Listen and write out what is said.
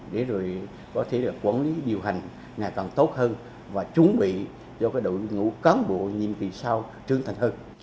để rồi có thể là quản lý điều hành ngày càng tốt hơn và chuẩn bị cho đội ngũ cán bộ nhiệm kỳ sau trương thành hơn